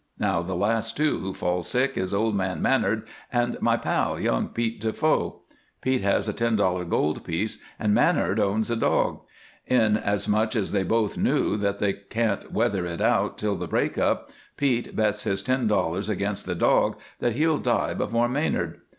Now, the last two who fall sick is old man Manard and my pal, young Pete De Foe. Pete has a ten dollar gold piece and Manard owns a dog. Inasmuch as they both knew that they can't weather it out till the break up, Pete bets his ten dollars against the dog that he'll die before Manard.